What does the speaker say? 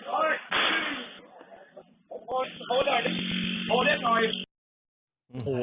โอ่ทิมข้าโนย